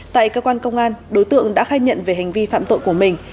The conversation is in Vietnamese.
tại cơ quan công an đối tượng đã khai nhận về hành vi phạm tội của mình